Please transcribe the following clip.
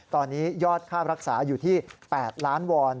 ตอนนี้ยอดค่ารักษาอยู่ที่๘ล้านวอน